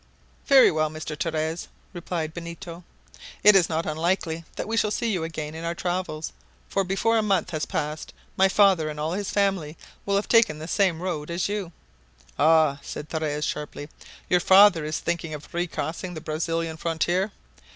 "Very well, Mr. Torres," replied Benito, "it is not unlikely that we shall see you again in our travels, for before a month has passed my father and all his family will have taken the same road as you." "Ah!" said Torres sharply, "your father is thinking of recrossing the Brazilian frontier?"